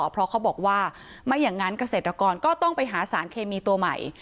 เพราะเขาบอกว่าไม่อย่างนั้นเกษตรกรก็ต้องไปหาสารเคมีตัวใหม่